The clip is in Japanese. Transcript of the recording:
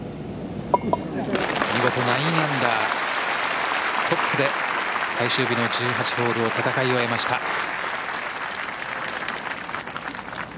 見事９アンダートップで最終組の１８ホールを戦い終えました。